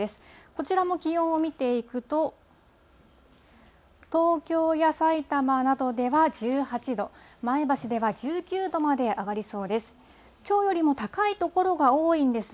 こちらも気温を見ていくと、東京やさいたまなどでは１８度、前橋では１９度まで上がりそうです。